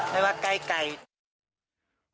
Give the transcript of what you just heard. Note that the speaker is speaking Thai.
ไม่ว่าใกล้